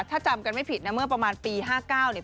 ถ้าจำกันไม่ผิดนะเมื่อประมาณปี๕๙เนี่ย